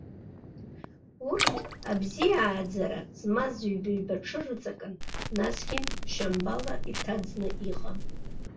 Урҭ, абзиааӡара змаз ҩба-ҩба ҽы рыҵакын, насгьы мшьамбала иҭаӡны иҟан.